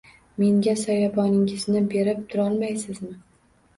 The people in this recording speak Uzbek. Menga soyaboningizni berib turolmaysizmi?